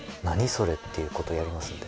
それっていうことやりますんで。